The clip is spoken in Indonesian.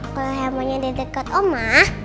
kalau hemonya di dekat oma